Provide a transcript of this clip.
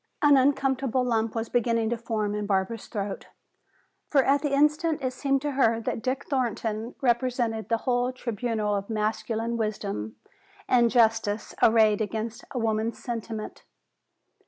An uncomfortable lump was beginning to form in Barbara's throat. For at the instant it seemed to her that Dick Thornton represented the whole tribunal of masculine wisdom and justice arrayed against a woman's sentiment.